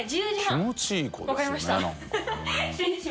気持ちいい子ですよねなんかね。